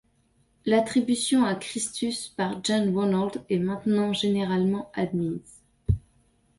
L'attribution à Christus par John Rowlands et maintenant généralement admise.